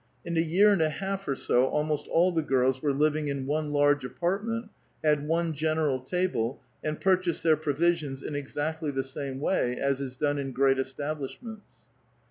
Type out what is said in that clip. In a year and a half or so, almost sLll the girls were living in one large apartment, had one general table, and purchased their provisions in exactly the ^ame way as is done in great establishments.